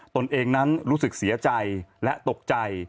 ตนเองนั้นรู้สึกเสียใจและตกใจ